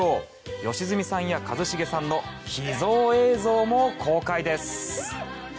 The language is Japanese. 良純さんや、一茂さんの秘蔵映像も公開です。